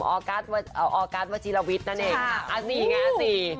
ออร์กัสวจิรวิทย์นั่นเองอัสสี่ไงอัสสี่